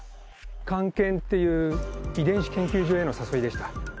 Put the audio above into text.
菅研っていう遺伝子研究所への誘いでした。